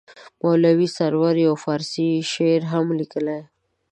مولوي سرور یو فارسي شعر هم لیکلی.